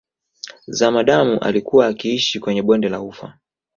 Zamadamu alikuwa akiishi kwenye bonde la Ufa